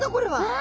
あ！